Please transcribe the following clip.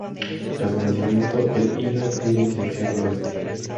Tras su nacimiento, el Ina fluye en dirección al oeste.